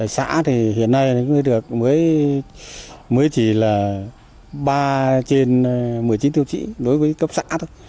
xã thì hiện nay mới chỉ là ba trên một mươi chín tiêu chí đối với cấp xã thôi